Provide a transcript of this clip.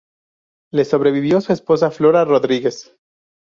Le sobrevivió su esposa Flora Rodríguez.